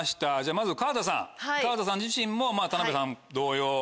まず川田さん川田さん自身も田辺さん同様。